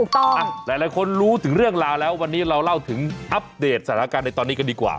หลายคนรู้ถึงเรื่องราวแล้ววันนี้เราเล่าถึงอัปเดตสถานการณ์ในตอนนี้กันดีกว่า